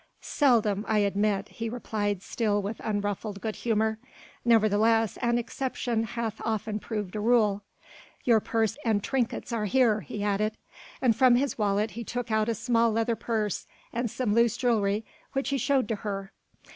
"Seldom, I admit," he replied still with unruffled good humour. "Nevertheless an exception hath often proved a rule. Your purse and trinkets are here," he added. And from his wallet he took out a small leather purse and some loose jewellery which he showed to her.